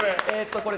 これ。